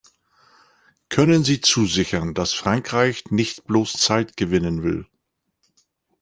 Können Sie zusichern, dass Frankreich nicht bloß Zeit gewinnen will?